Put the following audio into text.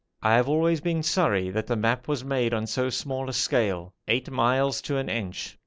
I have always been sorry that the map was made on so small a scale eight miles to an inch.